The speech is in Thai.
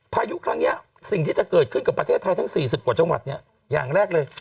พายุครั้งนี้สิ่งที่จะเกิดขึ้นกับประเทศไทยทั้ง๔๐กว่าจังหวัดเนี่ยอย่างแรกเลย